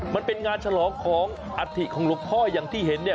มันเป็นงานฉลองของอัฐิของหลวงพ่ออย่างที่เห็นเนี่ย